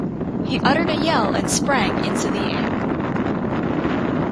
He uttered a yell and sprang into the air.